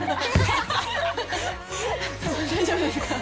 大丈夫ですか。